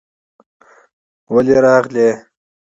ولې راغلې؟